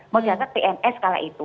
mau dianggap pns kala itu